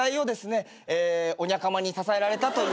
おニャかまに支えられたという。